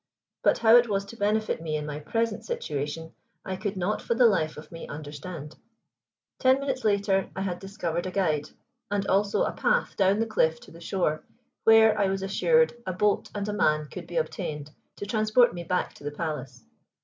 But how it was to benefit me in my present situation I could not for the life of me understand. Ten minutes later I had discovered a guide, and also a path down the cliff to the shore, where, I was assured, a boat and a man could be obtained to transport me to the palace.